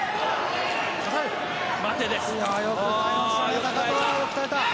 待てです。